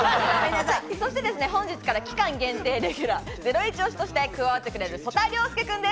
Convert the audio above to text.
そして本日から期間限定レギュラー、ゼロイチ推しとして加わってくれる曽田陵介君です。